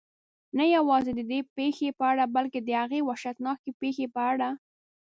نه یوازې ددې پېښې په اړه بلکې د هغې وحشتناکې پېښې په اړه.